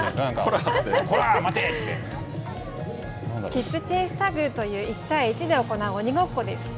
キッズチェイスタグという１対１で行う鬼ごっこです。